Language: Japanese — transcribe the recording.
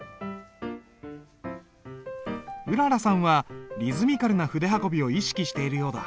うららさんはリズミカルな筆運びを意識しているようだ。